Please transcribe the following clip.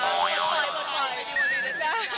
ปลดปล่อย